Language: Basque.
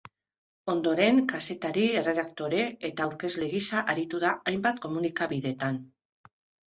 Ondoren, kazetari, erredaktore eta aurkezle gisa aritu da hainbat komunikabidetan.